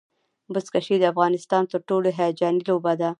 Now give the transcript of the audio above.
بزکشي د افغانستان تر ټولو هیجاني لوبه ده.